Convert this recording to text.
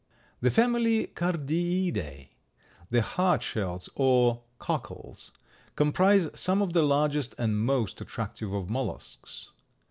The family Cardiidae, the heart shells or cockles, comprise some of the largest and most attractive of mollusks.